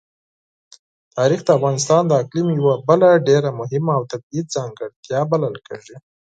تاریخ د افغانستان د اقلیم یوه بله ډېره مهمه او طبیعي ځانګړتیا بلل کېږي.